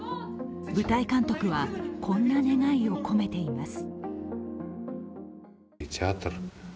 舞台監督は、こんな願いを込めています。